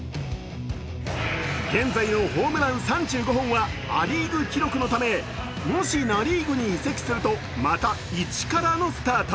現在のホームラン３５号はア・リーグ記録のためもしナ・リーグに移籍するとまた一からのスタート。